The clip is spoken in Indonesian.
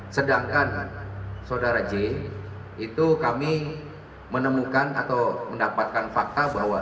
sedangkan saudara j itu kami menemukan atau mendapatkan fakta bahwa